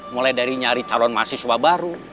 mulai dari nyari calon mahasiswa baru